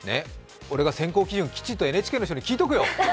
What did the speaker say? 俺が選考基準をきちんとＮＨＫの人に聞いとくよ。